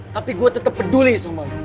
tapi gue tetap peduli sama lo